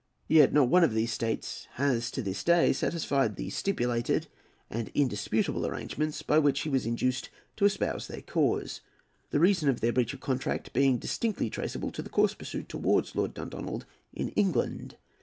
Yet not one of these states has to this day satisfied the stipulated and indisputable arrangements by which he was induced to espouse their cause; the reason of their breach of contract being distinctly traceable to the course pursued towards Lord Dundonald in England.